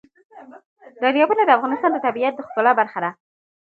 دریابونه د افغانستان د طبیعت د ښکلا برخه ده.